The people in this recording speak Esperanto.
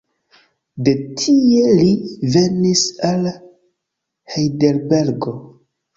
De tie li venis al Hejdelbergo.